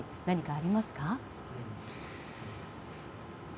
何かありますか？